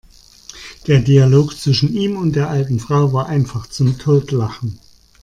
Der Dialog zwischen ihm und der alten Frau war einfach zum Totlachen!